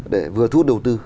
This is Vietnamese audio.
để vừa thút đầu tư